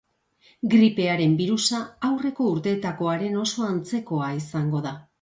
Gripearen birusa aurreko urteetakoaren oso antzekoa izango da.